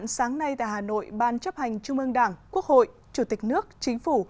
sáng nay tại hà nội ban chấp hành trung ương đảng quốc hội chủ tịch nước chính phủ